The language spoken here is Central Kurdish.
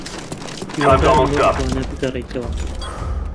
هیوادارم بەم زووانە بگەڕێیتەوە.